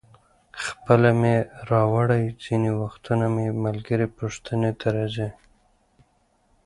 خپله مې راوړي، ځینې وختونه مې ملګري پوښتنې ته راځي.